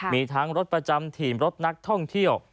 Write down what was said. มีทั้งรถประจำถิ่นรถนักท่องเที่ยว